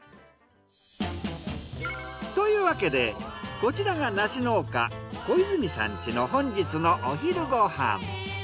というわけでこちらが梨農家小泉さん家の本日のお昼ご飯。